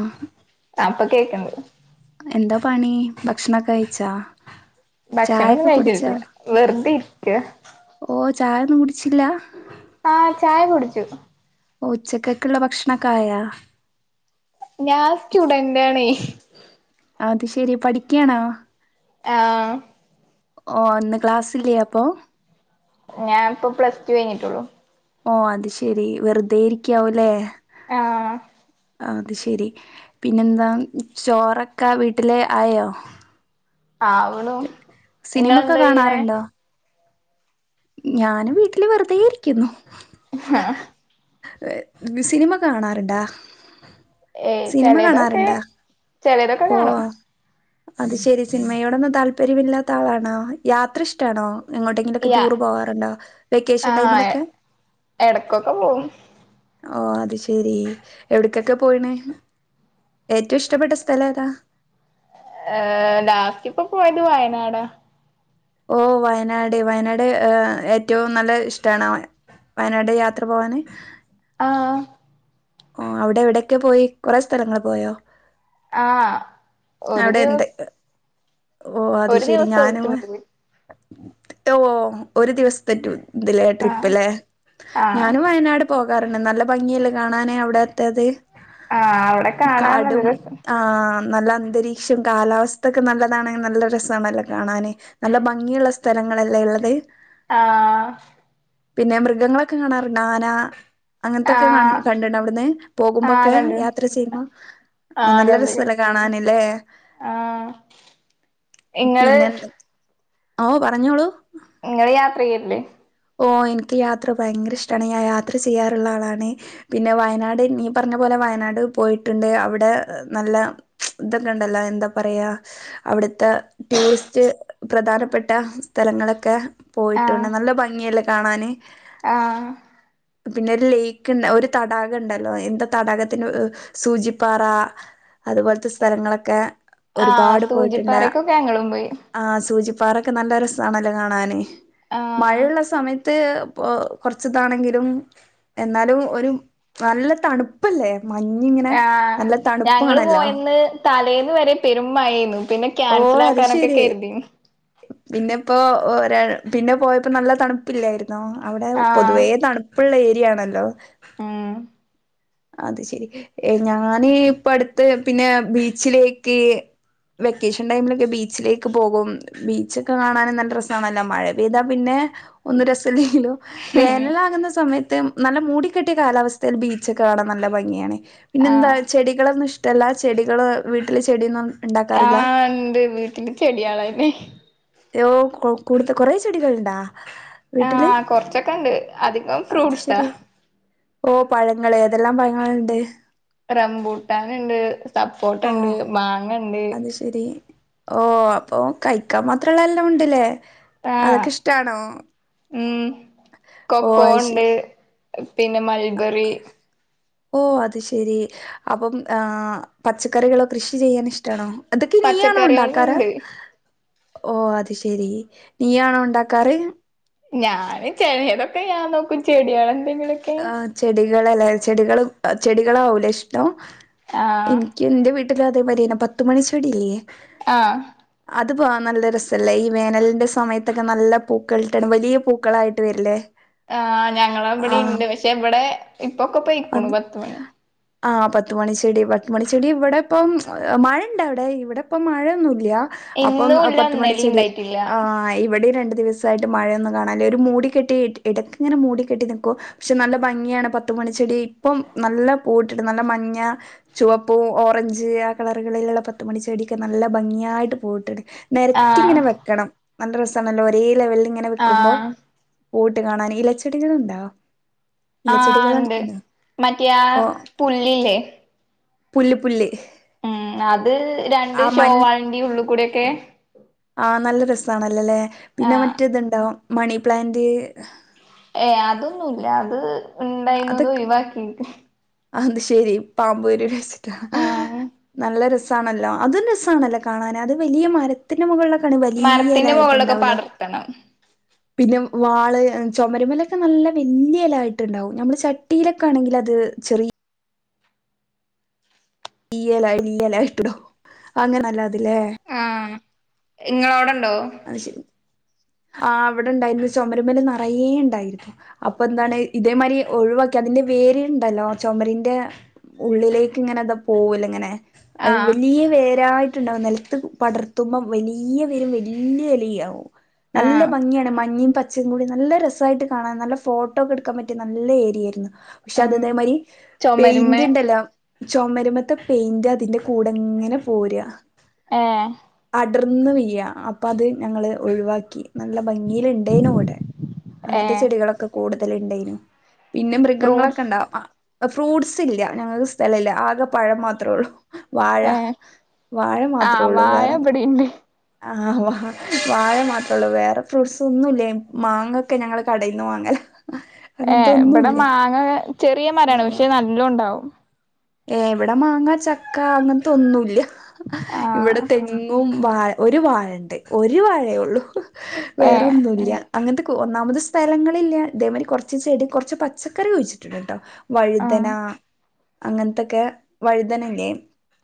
ആ അപ്പൊ കേൾക്കണ്ട എന്താ പണി ഭക്ഷണൊക്കെ കഴിച്ചാ ഭക്ഷണം ഒന്ന ചായൊക്കെ കുടിച്ചോ കഴിച്ചട്ടില്ല വെറുതെ ഇക്ക് ചായൊന്നും കുടിച്ചില്ല ആഹചായ കുടിച്ചു ഓ ഉച്ചക്കൊക്കുള്ള ഭക്ഷണൊക്കായ ഞാൻ സ്റ്റുഡന്റ ആണ അത് ശരി പഠിക്കണാ ആ ഓ ഒന്ന് ക്ലാസ്ലലേ അപ്പൊ ഞാൻ ഇപ്പൊ പ്ലസ് ടു കഴിഞ്ഞിട്ടുള്ളു ഓ അത് ശെരി വെറുതെ ഇരിക്കാവൂല്ലേ ആ ആ അത് ശെരി പിന്നെന്താ ചോറൊക്കെ വീട്ടിലെ ആയോ ആ അവണു സിനിമൊക്കെ നിങ്ങളെന്ത ഇങ്ങനെ ഞൻ വീട്ടില് വെറുതെ ഇരിക്കുന്നു ആ സിനിമ കാണാറുണ്ടാ ഏയ് സിനിമ ചെലതൊക്കെ കാണാറുണ്ടാ ചെലതൊക്കെ ഓ കാണും അത് ശെരി സിനിമയോടൊന്നും താല്പര്യമ ഇില്ലാത്ത ആളാണോ യാത്ര ഇഷ്ടാണോങ്ങോട്ട് യാ ടൂറു പോവാറുണ്ട വെക്കേഷൻ ആഹ് ടൈമിലൊക്കെ എടക്കൊക്കെ പോവും ഓ അത് ശെരി എവിടക്കൊക്കെ പോയിണ് ഏറ്റവും ഇഷ്ടപ്പെട്ട സ്ഥലം ഏതാ ഏർ ലാസ്റ്റിപ്പോ പോയത് വയനാടാ ഓ വയനാട് വയനാട് ഏറ്റവും നല്ല ഇഷ്ടണ വയനാട് യാത്ര പോവാന് ആ ഓ അവിടെ എവിടെയൊക്കെ പോയി കൊറെ സ്ഥലങ്ങള് പോയോ ആഹ് ഒരു ദിവസം ഓഹ് അത് ഒരു ശരി ഞാനും എടുത്തിട്ടുള്ളൂ [unintelligible] ഒരു ദിവസത്തെറ്റും എതിലേ ആഹ് ട്രിപ്പല്ലെ ആഹ് ഞാനും വയനാട് പോകാറുണ്ട് നല്ല ഭംഗിയല്ലേ കാ കാണാന് അവിടുത്തത് ആഹ് അവിടെ കാണാൻ നല്ല കാടും രസം നല്ല അന്തരീക്ഷം കാലാവസ്ഥൊക്കെ നല്ലതാണെ നല്ല രസണല്ല കാണാന് നല്ല ഭംഗിയുള്ള സ്ഥലങ്ങളല്ലേ ള്ളത് ആഹ് പിന്നെ മൃഗങ്ങളൊക്കെ കാണാറുണ്ട് ആന അങ്ങനത്തൊക്കെ കാ ആഹ് കണ്ടിണ്ട് അവിടുന്ന് ആഹ് പോകുമ്പോക്കെ കണ്ട് യാത്ര ചെയ്യുംപ ആ ആഹ് നല്ല കണ്ട് രസല്ലേ കാണാനില്ലേ ആഹ് ഇങ്ങള് പിന്നെ എന്ത് ഓ പറഞ്ഞോളൂ നിങ്ങള് യാത്ര ചെയ്യല്ലേ ഓ എനിക്ക് യാത്ര ഭയങ്കര ഇഷ്ടമാണ് ഞാൻ യാത്ര ചെയ്യാറുള്ള ആളാണ് പിന്നെ വയനാട് നീ പറഞ്ഞ പോലെ വയനാട് പോയിട്ടുണ്ട് അവിടെ നല്ല ഇതൊക്കെ ഉണ്ടല്ലോ എന്താ പറയാ അവിടെ ഇത്തെ ടൂറിസ്റ്റ് പ്രധാനപ്പെട്ട സ്ഥലങ്ങളൊക്കെ ആഹ് പോയിട്ടുണ്ട് നല്ല ഭംഗിയല്ലേ കാണാന് ആഹ് പിന്നെ ലേക്ക് ഉണ്ട്, ഒരു തടാകം ഉണ്ടല്ലോ എന്താ തടാകത്തിന് സൂചിപ്പാറ. അതുപോലത്തെ സ്ഥലങ്ങളൊക്കെ ആഹ് ഒരുപാട് പോയിട്ടുണ്ട് സൂചിപ്പാറക്കൊക്കെ ഞങ്ങളും പോയി ആ സൂചിപ്പ അവിടൊക്കെ നല്ല രസമാണല്ലോ കാണാൻ ആ കുറച്ചതാണെങ്കിലും എന്നാലും ഒരു നല്ല തണുപ്പല്ലേ മഞ്ഞിങ്ങനെ ആ നല്ല ഞങ്ങള് തണുപ്പാണല്ലോ പോയന്ന് തലേന്ന് വരെ പെരും മഴയാരുന്നു പിന്നെ ക്യാൻസൽ ആക്ക് കാനക്കെക്ക കരുതി പിന്നെ ഇപ്പോ, പിന്നെ പോയപ്പോ നല്ല തണുപ്പില്ലായിരുന്നു. അവിടെ ആഹ് പൊതുവേ തണുപ്പുള്ള ഏരിയയാണല്ലോ ഉം അത് ശരി ഞാന് ഇപ്പ അടുത്ത് പിന്നെ ബീച്ചിലേക്ക് വെക്കേഷൻ ടൈമിലൊക്കെ ബീച്ചിലേക്ക് പോകും. ബീച്ചൊക്കെ കാണാനും നല്ല രസമാണല്ലൊ, മഴ പെയ്താ പിന്നെ ഒന്ന് രസില്ലല്ലോ, വേനല ആകുന്ന സമയത്ത് നല്ല മൂടിക്കെട്ടിയ കാലാവസ്ഥയിൽ ബീച്ചൊക്കെ കാണാൻ നല്ല ഭംഗിയാണ് പിന്നെ എന്താ ആഹ് ചെടികളൊന്നും ഇഷ് എല്ലാ ചെടികളും വീട്ടിൽ ചെടിയാന്നും ആ, ഇണ്ട് വീട്ടില് ചെടികളാണ് ഓ കൂടുത്ത കുറെേ ചെടികൾുണ്ടാ ആ, കൊറച്ചൊക്കെ ഇണ്ട് അധികം അത് ഫ്രൂട്ട്സാ. ശരി ഓ പഴങ്ങള് ഏതെല്ലാം പഴങ്ങളുണ്ട്. റമ്പൂട്ടാൻ ഉണ്ട്, സപ്പോട്ട ഓ ഉണ്ട്, മാങ്ങ ഉണ്ട് അത് ശെരി ഓ അപ്പൊ കഴിക്കാൻ മാത്രള്ള എല്ലാം ഉണ്ടല്ലേ, ആഹ് അതൊക്കെ ഇഷ്ടാണോ? ഉം ഓ കൊക്കോ അത് ശെ ഉണ്ട് പിന്നെ മൽബറി. ഓ, അത് ശരി അപ്പം ആ പച്ചക്കറികളോ കൃഷി ചെയ്യാൻ ഇഷ്ടാണോ? അതൊക്കെ നീ ആണോ ഉണ്ടാക്കാറ്. പച്ചക്കറികളുണ്ട് ഓ അത് ശരി, നീയാണോ ഉണ്ടാക്കാറ് ഞാന് ചെലതൊക്കെ ഞാൻ നോക്കും, ചെടികള് എന്തെങ്കിലുമൊക്കെ. കിളികല്ല, ചെടികൾ ചെടികളാവൂല്ലെ ഇഷ്ടം, ആഹ് എനിക്ക് എന്റെ വീട് [unintelligible] അതേരയെ പത്ത് മണിച്ചെടിയില്ലേ ആ അത് പോവാൻ നല്ല രസമല്ലേ ഈ വേനലിന്റെ സമയത്തൊക്കെ നല്ല പൂക്കളിട്ടാണ് വലിയ പൂക്കളായിട്ട് വരില്ലേ. ആ, ഞങ്ങളെ ആ ഇവിടെയിണ്ട് പക്ഷെ ഇവിടെ ഇപ്പൊക്കെ പോയിക്കുണു പത്തുമണി. ആ പത്തുമണിച്ചെടി, പത്തുമണിച്ചെടി ഇവിടെ ഇപ്പം മഴ ഇണ്ട അവിടെ, ഇവിടെ ഇപ്പം മഴയൊന്നുമില്ല. അപ്പം ഇന്നുല്ല പത്തുമണി ഇന്നലിം ചെടി, ഇണ്ടായിട്ടില്ല ആ ഇവിടെ രണ്ട് ദിവസായിട്ട് മഴയൊന്നും കാണാനില്ല, ഒരു മൂടിക്കെട്ടി ഇടക്ക് ഇങ്ങനെ മൂടിക്കെട്ടി നിൽക്കും പക്ഷെ നല്ല ഭംഗിയാണ് പ പത്ത്മണിണിച്ചെടി ഇപ്പം നല്ല പൂവിട്ടുണ്ട്, നല്ല മഞ്ഞ, ചുവപ്പ്, ഓറഞ്ച് ആ കളർ വെള്ള പത്ത് മണി ചെടിയൊക്കെ നല്ല ഭംഗിയായിട്ട് പൂവിട്ട് നിരത്തി ആഹ് ഇങ്ങനെ വെക്കണം, നല്ല രസണല്ലോ ഒരേ ലെവലിൽ ഇങ്ങനെ വെക്കുമ്പോ. ആഹ് പൂവിട്ടു കാണാൻ, ഇലച്ചെടികൾ ഉണ്ടോ? ആ ഇണ്ട് മറ്റേ ആ പുല്ലില്ലേ പുല്ല് പുല്ല്, ഉം, അത് രണ്ട് ആ ഷോ മഞ്ഞ് വാളിന്റെ ഉള് കൂടെ കൂടൊക്കെ ആ നല്ല രസണല്ലല്ലെ, പിന്നെ ആഹ് മറ്റേ ഇതുണ്ടാ മണിപ്ലാന്റ്. ഉണ്ടായിന്നതോഴിവാക്കി. ആത് ശരി പാമ്പ് വരിന്ന് വച്ചിട്ടാ, ആഹ് നല്ല രസാണല്ലോ അതും രസാണല്ലോ കാണാൻ, അത് വലിയ മരത്തിന് മുകള വലിയ മരത്തിന്റെ ഇലയായിട്ട് മുകളിലൊക്കെ ഉണ്ടാവില്ലേ പടർത്തണം പിന്നെ വാള്, ചുമരുമേലൊക്കെ നല്ല വലിയ ഇലായിട്ട് ഉണ്ടാവും, നമ്മള് ചട്ടിയിലൊക്കെ ആണെങ്കില് അത് ചെറിയ ഇല ഇല്ലല ഇട്ടുടോ, അങ്ങനെല്ലാതില്ലേ ഇങ്ങളവിടൊണ്ടോ ആഹ് ഇവിടുണ്ടായിരുന്നു ചുമര് മ്മേലെ നിറയെ ഉണ്ടായിരുന്നു അപ്പൊ എന്താണ് ഇതേമാതിരി ഒഴിവാക്കി അ അതിന്റെ വേര് ഇണ്ടല്ലോ ചുമരിന്റെ ഉള്ളിലേക്ക് ഇങ്ങനെ അത് പോവൂലെ ഇങ്ങനെ അത് ആഹ് വലിയ വേരായിട്ടുണ്ടാവും നിലത്ത് പടർത്തുമ്പോം വലിയ വല്യ ഇലയാവും നല്ല ആഹ് ഭംഗിയാണ് മഞ്ഞേ പ പച്ചയും കൂടി നല്ല രസമായിട്ട് കാണാൻ നല്ല ഫോട്ടോ ഒക്കെ എടുക്കാൻ പറ്റിയ നല്ല ഏരിയ ആയിരുന്നു പക്ഷെ അത് ഉം ഇതേമാതിരി പെയിന്റ് ചുമരുമ്മെ ഇണ്ടല്ലോ ചൊമരുമ്മത്തെ പെയിന്റ് അതിന്റെ കൂടെ ഇങ്ങനെ പോര്യാ- ആഹ്- അടർന്ന് വീഴുക അപ്പം അത് ഞങ്ങള് ഒഴിവാക്കി- നല്ല ഭംഗീൽ ഇണ്ടേനു ഇവിടെ അങ്ങനത്തെ ഏഹ് ചെടികളൊക്കെ കൂടുതൽ ഇണ്ടേനു- പിന്നെ മൃഗങ്ങളൊക്കെ ഫ്രൂട്ട്സ് ഉണ്ടാവും അഹ് ഫ്രൂട്ട്സ് ഇല്ല ഞങ്ങൾക്ക് സ്ഥലം ഇല്ല ആകെ പഴം മാത്ര ഉള്ളു- വാഴ ഏഹ് വാഴ മാത്രേ ആഹ് ഉള്ളൂ വാഴ വേറൊന്നും ഇബടിണ്ട് ആഹ്- ആഹ് വാഴ മാത്രേള്ളൂ വേറെ ഫ്രൂട്ട്സ് ഒന്നും ഇല്ലേ മാങ്ങയൊക്കെ ഞങ്ങള് കടയിൽ നിന്ന് വാങ്ങലാ- ഏഹ് ഇവിടെ മാങ്ങ ചെറിയ മരാണ് പക്ഷെ നല്ല ഉണ്ടാവും- ഏഹ് ഇവിടെ മാങ്ങ ചക്ക അങ്ങനത്തെ ഒന്നുമില്ല ഇവിടെ ആഹ് തെങ്ങും- വാഴ ഒരു വാഴയുണ്ട് ഒരു വാഴേ ഉള്ളൂ ഏഹ് വേറൊന്നുയില്ല- അങ്ങനത്തെ ഒന്നാമത് സ്ഥലങ്ങളില്ല അതേമാതിരി കുറച്ച് ചെടി കുറച്ച് പച്ചക്കറി വെച്ചിട്ടുണ്ട് കേട്ടോ- ആഹ് വഴുതന- അങ്ങനത്തൊക്കെ വഴുതനയില്ലേ-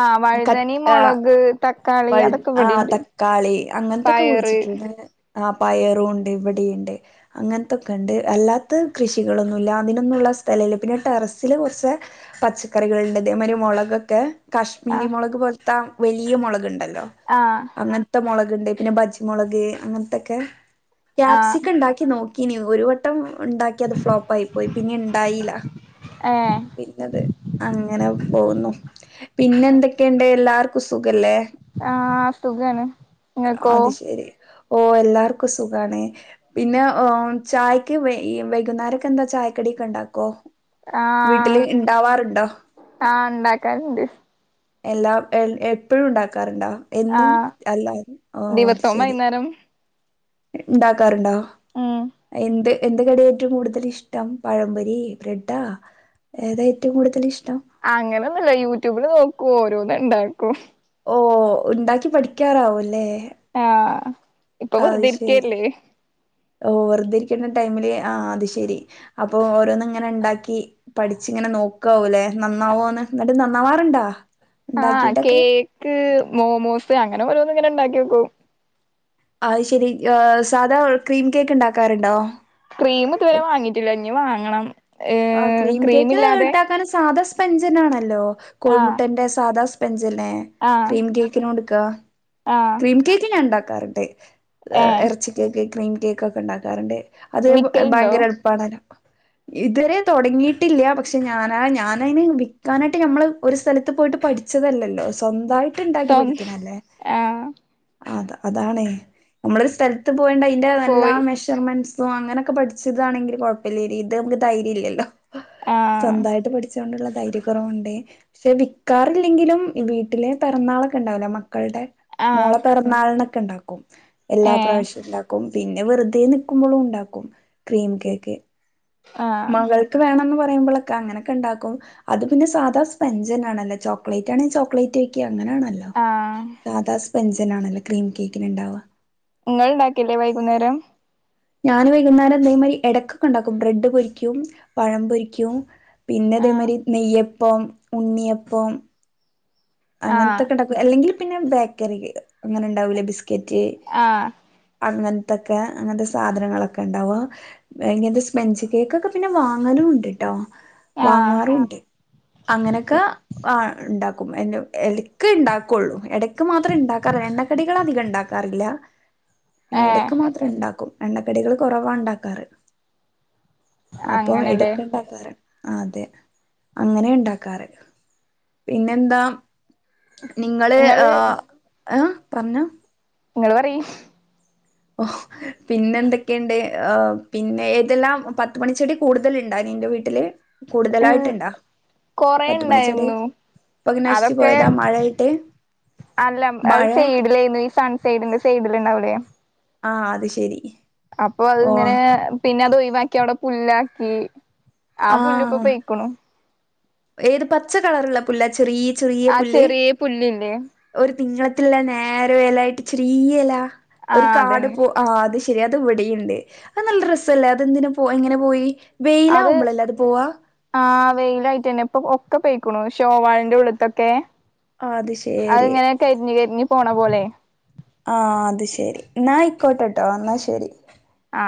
ആഹ് വഴുതനെ മുളക് ത വഴു ആഹ് തക്കാളി അങ്ങനത്തൊക്കെ പയറ് കുഴിച്ചിട്ടുണ്ട്- ആഹ് പയറും ഉണ്ട് ഇവിടെയുണ്ട് അങ്ങനത്തൊക്കെ ഉണ്ട് അല്ലാത്തെ കൃഷികളൊന്നുമില്ല അതിനൊന്നും- സ്ഥലമില്ല പിന്നെ ടെറസില് കുറച്ച് പച്ചക്കറികളുണ്ട് ഇതേ മാതിരി മുളകൊക്കെ- കാശ്മീരി ആഹ് മുളക് പോലത്തെ വലിയ മുളകുണ്ടല്ലോ ആഹ് അങ്ങനത്തെ മൊളക്- ണ്ട് പിന്നെ ബജ്ജി മുളക് അങ്ങനത്തൊക്കെ ആഹ് ക്യാപ്‌സിക്കം ഉണ്ടാക്കി നോക്കീനി ഒരു വട്ടം- ഉണ്ടാക്കി അത് ഫ്ലോപ്പ് ആയി പോയി പിന്നെ ഉണ്ടായില്ല ഏഹ് പിന്നത് അങ്ങനെ- പോകുന്നു പിന്നെ എന്തൊക്കെയുണ്ട് എല്ലാർക്കും സുഖല്ലേ- ആഹ് സുഖാണ് നിങ്ങക്കോ- അത് ശെരി ഓ എല്ലാർക്കും സുഖാണ് പിന്നെ ഉം ചായക്ക് വൈകുന്നേരൊക്കെ എന്താ ചായക്കടി- ക്കെ ഇണ്ടാക്കോ- ആഹ് ആഹ് ഉണ്ടാക്കാറുണ്ട്- എല്ലാം എൽ എപ്പൊഴും ഉണ്ടാക്കാറുണ്ടോ എന്നും ആഹ് അല്ലാഓ അത് ദിവസവും ശെരി വൈന്നേരം ഇണ്ടാക്കാറുണ്ടോ ഉം എന്ത് എന്ത്‌ കടിയാ ഏറ്റവും കൂടുതൽ ഇഷ്ടം പഴംപൊരി ബ്രെഡാ ഏതാ ഏറ്റവും കൂടുതൽ ഇഷ് അങ്ങനൊന്നുമില്ല യൂട്യൂബില് നോക്കും ഓരോന്ന് ഇണ്ടാക്കും ഓ ഉണ്ടാക്കി പഠിക്കാനാവും അല്ലേ ആഹ് ഇപ്പൊ അത് വെറുതെ ശരി ഇരിക്കല്ലേ ഓ വെറുതെ ഇരി ക്കുന്ന ടൈമില് ആഹ് അത് ശെരി അപ്പൊ ഓരോന്ന് ഇങ്ങനെ ഇണ്ടാക്കി പഠിച്ച് ഇങ്ങനെ നോക്കാവും അല്ലേ നന്നാവോന്ന് എന്നിട്ട് നന്നാവാറുണ്ടാ ആഹ് ഇണ്ടാക്കിയിട്ടൊക്കെ? കേക്ക് മോമോസ് അങ്ങനെ ഓരോന്ന് ഇങ്ങനെ ഉണ്ടാക്കി നോക്കും അത് ശെരി സാധാ ക്രീം കേക്ക് ഉണ്ടാക്കാറുണ്ടോ ക്രീം ഇതുവരെ വാങ്ങീട്ടില്ല ഇനി വാങ്ങണം ആഹ് ഏഹ് ക്രീം കേക്ക് ക്രീമില്ലാതെ ഇണ്ടാക്കാൻ സാധാ സ്പെഞ്ചനാണല്ലോ ആഹ് കോഴിമുട്ടേന്റെ സാദാ സ് അത് തന്നെ ആഹ് ക്രീം കേക്കിന് കൊടുക്കാ ആഹ് ക്രീം കേക്ക് ഞാൻ ഉണ്ടാക്കാറുണ്ട് ഏഹ് ഇറച്ചി കേക്ക് ക്രീം കേക്ക് ഒക്കെ ഉണ്ടാക്കാറുണ്ട് അത് വിക്കലുണ്ടോ ഭയങ്കര എളുപ്പാണല്ലോ ഇതുവരെ തുടങ്ങിയിട്ടില്ല പക്ഷെ ഞാനാ ഞാനതിന് വിൽക്കാനായിട്ട് നമ്മൾ ഒരു സ്ഥലത്ത് പോയിട്ട് പഠിച്ച് അല്ലല്ലോ സ്വന്തമായിട്ട് ഉണ്ടാക്കി സ്വന് പഠിക്കണെ അല്ലേ ആഹ് അതാ അതാണേ നമ്മളൊരു സ്ഥലത്ത് പോയണ്ട് അതിന്റെ നല്ലാ പോയി മെഷർമെന്റ്സ് സൊ അങ്ങനെയൊക്കെ പഠിച്ചതാണെങ്കിൽ കുഴപ്പമില്ല ഇത് നമുക്ക് ധൈര്യ ഇല്ലല്ലോ ആഹ് സ്വന്തമായിട്ട് പഠിച്ച [unintelligible] കൊണ്ടുള്ള ധൈരൃ കുറവുണ്ട് പക്ഷെ വിാറില്ലെങ്കിലും വീട്ടിലെ പിറന്നാളൊക്കെ ഉണ്ടാവില്ലേ മക്കള- മക്കളുടെ മോള ആഹ് പിറന്നാളിനൊക്കെ ഉണ്ടാക്കും എല്ലാ ഏഹ് പ്രാവശ്യവും ഉണ്ടാക്കും പിന്നെ പിന്നെ വെറുതെ നിക്കുമ്പോളും ഉണ്ടാക്കും ക്രീം കേക്ക് എ- ആഹ് മകൾക്ക് വേണംന്ന് പറ [unintelligible] അനൊക്കെ ഉണ്ടും അത് പിന്നെ സാധാ സ്പെചണല്ല ചോക്ലേറ്റ് ആണെങ്കി ചോക്ലേറ്റ്ക്ക അങ്ങനെയാണല്ലോ ആഹ് സാധാ സ്പെഞ്ചൻ ആണല്ലോ ക്രീം കേക്കിന് ഉണ്ടാവാ നിങ്ങൾ ഉണ്ടാക്കല്ലേ വൈകുന്നേരം ഞാന് വൈകുന്നേരം അന്തേമാതി ഇടക്കൊക്കെ ഉണ്ടാക്കും ബ്രെഡ് പൊരിക്കും പഴം പൊരിക്കും പിന്നെ ആഹ് അതേമാതിരി നെയ്യപ്പം ഉണ്ണിയപ്പം ആഹ് അങ്ങനത്തൊക്കെ ഉണ്ടാക്കും അല്ലെങ്കിൽ പിന്നെ ബേക്കറി അങ്ങനെ ഉണ്ടാവൂല്ലേ ബിസ് കറ്റ് യ് ആഹ് അങ്ങനെ തൊക്കെ അങ്ങനത്തെ സാധനങ്ങളൊക്കെ ഉണ്ടാവോ ഇങ്ങനത്തെ സ്പെഞ്ച് കേക്ക് ഒക്കെ പിന്നെ വാങ്ങാനും ഉണ്ട് കേട്ടോ ആഹ് വാങ്ങാറുണ്ട് ആ അങ്ങനെയൊക്കെ ആ ഉണ്ടാക്കും എറെ എലക്ക് ഉണ്ടാക്കുള്ളൂ ഇട ഇടക്ക് മാത്രം ഉണ്ടാക്കാറില്ല എണ്ണക്കടികൾ അധികം ഉണ്ടാക്കാറില്ല പിന്നെ ഏഹ് ഇടക്ക് മാത്രം ഉണ്ടാക്കും എണ്ണക്കടികൾ കുറവാ ഉണ്ടാക്കാറ് അപ്പൊ അങ്ങനെല്ലേ എടുക്കുണ്ടാക്കാറ് അതെ അങ്ങനെ ഉണ്ടാക്കാറ് പിന്നെെന്താ നിങ്ങള് ഇങ്ങള് ആ ഏ പറഞ്ഞോ നിങ്ങള്ൾ പറയ് ഓ പിന്നെ എന്തൊക്കെയുണ്ട് ഓ പിന്നെ ഏതെല്ലാം പത്തുമണിച്ചെടി കൂടുതൽ ഉണ്ട- നിന്റെ വീട്ടില് കൂടുതലായിട്ടുണ്ടാ കൊറേ പത്ത് മണിച്ചെടി ഇണ്ടായിരുന്നു ഇപ്പകനാശിച്ചു അതൊക്കെ പോയതാ മഴായിട്ട് അല്ല അ സൈഡിലായിരുന്നു ഈ സൺ സൈഡിന്റെ സൈഡിൽ ഉണ്ടാവൂലേ ആഹ അത് ശരി അപ്പൊ അത് ഓ ഇങ്ങനെ പിന്നെ അത് ഒഴിവാക്കി അവിടെ പുല്ലാക്കി ആ പുല്ലിപ്പൊ ആഹ് പോയ്ക്കണു ഏത് പച്ച കളറുള്ള പുല്ലാ ചെറിയ ചെറിയ ആ പുല്ല് ചെറിയ പുല്ലില്ലേ ഒരു തിങ്കള ല്ല നേര വലട്ട് ചില ആ ഒരു കാട് അതന്നെ പോ ശരി അത് എവിടെുണ്ട് അത് നല്ല രസല്ലേ അതെന്തിന പോ എങ്ങനെ പോയി വെയിലാവുമ്പോളളല്ലേ അത് പോവാ വെയിലായിട്ട് തന്നെ ഇപ്പൊ ഒക്കെ പോയിക്കണു ഷോവാളിന്റെറെ ഉള്ളത്തൊക്കെ ആഹ് അത് ശരി അതിങ്ങനെ കരിഞ്ഞഞ് കരിഞ്ഞഞ് പോണ പോലെ ആഹ അത് ശെരി എന്നാ ഐ ക്കോട്ടട്ടോ എന്നാ ശെരി ആ